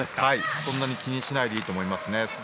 そんなに気にしないでいいと思います。